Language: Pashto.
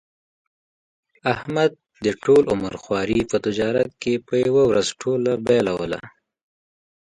احمد د ټول عمر خواري په تجارت کې په یوه ورځ ټوله بایلوله.